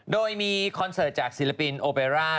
โดยมีคอนเสิร์ตจากศิลปินโอเปร่า